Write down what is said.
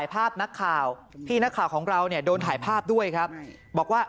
ภาพนักข่าวพี่นักข่าวของเราเนี่ยโดนถ่ายภาพด้วยครับบอกว่า